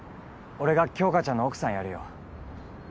俺が杏花ちゃんの奥さんやるよ